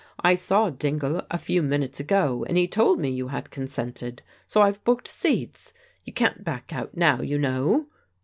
I saw Dingle a few minutes ago, and he told me you had consented, so I've booked seats. You can't back out now, you know."